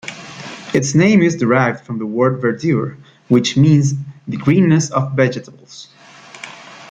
Its name is derived from the word "verdure", which means the greenness of vegetables.